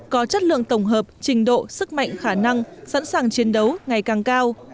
có chất lượng tổng hợp trình độ sức mạnh khả năng sẵn sàng chiến đấu ngày càng cao